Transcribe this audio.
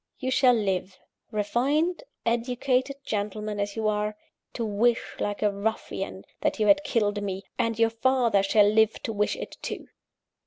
You shall live refined educated gentleman as you are to wish, like a ruffian, that you had killed me; and your father shall live to wish it too.